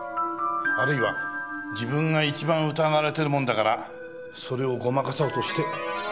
あるいは自分が一番疑われてるもんだからそれをごまかそうとしてそんな芝居をしたとか。